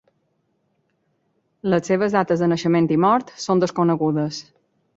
Les seves dates de naixement i mort són desconegudes.